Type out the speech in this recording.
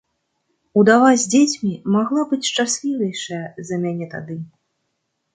Удава з дзецьмі магла быць шчаслівейшая за мяне тады.